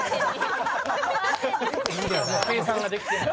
計算ができてない。